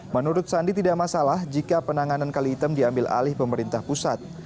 menurut sandi tidak masalah jika penanganan kali hitam diambil alih pemerintah pusat